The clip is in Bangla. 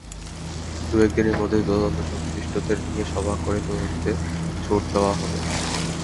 দু-এক দিনের মধ্যে তদন্তসংশ্লিষ্টদের নিয়ে সভা করে তদন্তে জোর দেওয়া হবে।